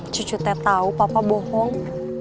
cucu teh tau papa bohong